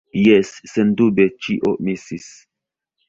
Jes, sendube ĉio misis.